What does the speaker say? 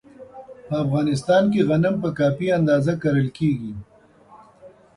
په افغانستان کې غنم په کافي اندازه کرل کېږي.